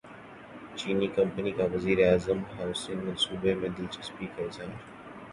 چینی کمپنی کا وزیر اعظم ہاسنگ منصوبے میں دلچسپی کا اظہار